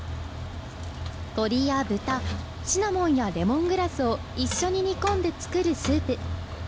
鶏や豚シナモンやレモングラスを一緒に煮込んで作るスープ。